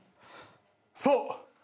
そう！